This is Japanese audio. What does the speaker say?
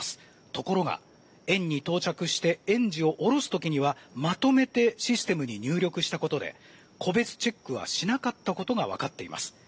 ところが、園に到着して園児を降ろす時にはまとめてシステムに入力したことで個別チェックはしなかったことが分かっています。